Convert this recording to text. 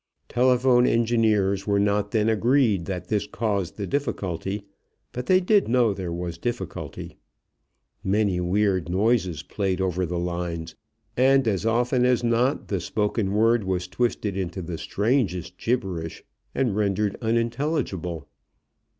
Telephone engineers were not then agreed that this caused the difficulty; but they did know there was difficulty. Many weird noises played over the lines and as often as not the spoken word was twisted into the strangest gibberish and rendered unintelligible.